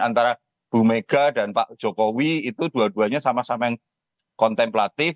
antara bu mega dan pak jokowi itu dua duanya sama sama yang kontemplatif